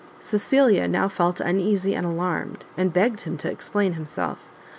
Cecilia now felt uneasy and alarmed, and begged him to explain himself.